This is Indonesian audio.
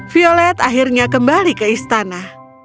violet akhirnya kembali ke istana